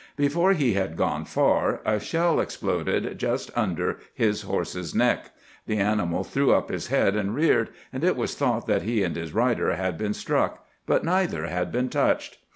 Before he had gone far a shell exploded just under his horse's neck. The animal threw up his head and reared, and it was thought that he and his rider had both been struck, but neither had been touched.